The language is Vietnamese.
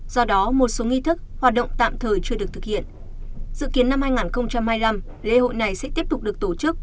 do đó một số nghi thức hoạt động tạm thời chưa được thực hiện dự kiến năm hai nghìn hai mươi năm lễ hội này sẽ tiếp tục được tổ chức